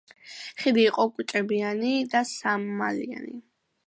ხიდი იყო კოჭებიანი და სამმალიანი.